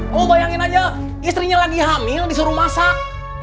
gue bayangin aja istrinya lagi hamil disuruh masak